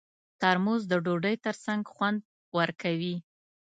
ترموز د ډوډۍ ترڅنګ خوند ورکوي.